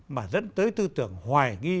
mà dẫn tới tư tưởng hoài nghi